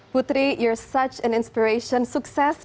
putri anda adalah inspirasi dan sukses